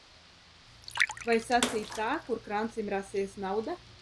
Vai sacīt tā: Kur krancim rasies nauda?